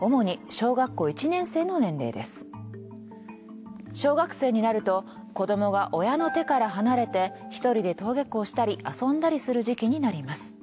小学生になると子供が親の手から離れて一人で登下校したり遊んだりする時期になります。